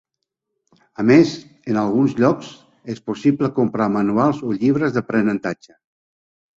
A més, en alguns llocs és possible comprar manuals o llibres d'aprenentatge.